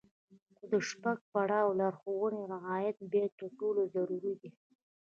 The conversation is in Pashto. خو د شپږم پړاو د لارښوونو رعايت بيا تر ټولو ضروري دی.